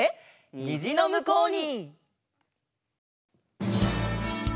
「にじのむこうに」！